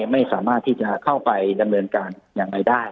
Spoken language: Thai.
ไม่สามารถที่จะเข้าไปดำเนินการอย่างไรได้